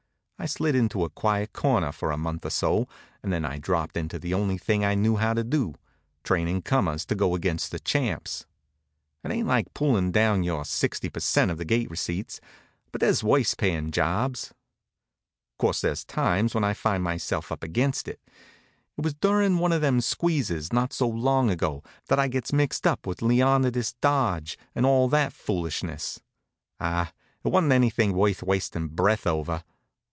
I slid into a quiet corner for a month or so, and then I dropped into the only thing I knew how to do, trainin' comers to go against the champs. It ain't like pullin' down your sixty per cent of the gate receipts, but there's worse payin' jobs. Course, there's times when I finds myself up against it. It was durin' one of them squeezes, not so long ago, that I gets mixed up with Leonidas Dodge, and all that foolishness. Ah, it wa'n't anything worth wastin' breath over.